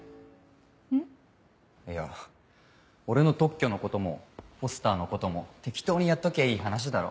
いや俺の特許のこともポスターのことも適当にやっときゃいい話だろ。